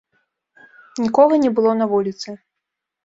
Нікога не было на вуліцы.